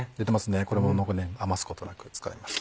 これも余すことなく使います。